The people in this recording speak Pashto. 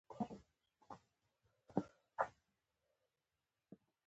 یو غم نه لا نه وي چي بل پر راسي